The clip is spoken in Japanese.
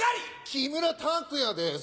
木村拓哉です